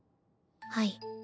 はい。